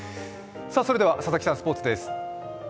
それでは佐々木さん、スポーツです。